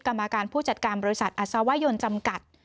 กรรมการผู้จัดการบริษัทอัศวยนจำกัด